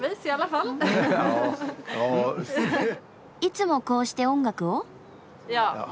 いつもこうして音楽を？